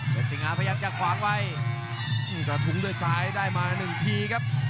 แรศงหาพยายามจากขวางไว้กระทุงด้วยซ้ายได้มา๑ที่ครับ